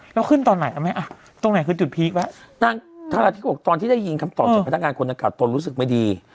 แล้วขึ้นตอนไหนเอาแม่อ่ะตรงไหนคือจุดพีควะนางธาราธิก็บอกตอนที่ได้ยินคำตอบจากพนักงานคนดังเก่าตนรู้สึกไม่ดี